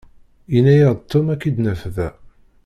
Yenna-yaɣ-d Tom ad k-id-naf da.